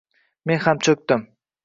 Men ham cho`kdim